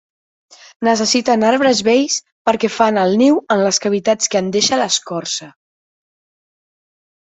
Necessiten arbres vells perquè fan el niu en les cavitats que en deixa l'escorça.